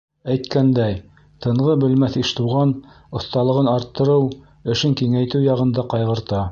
Әйткәндәй, тынғы белмәҫ Иштуған оҫталығын арттырыу, эшен киңәйтеү яғын да ҡайғырта.